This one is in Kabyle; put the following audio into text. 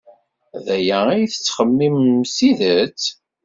D aya ay tettxemmimem s tidet?